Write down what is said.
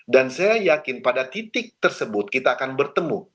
dan saya yakin pada titik tersebut kita akan bertemu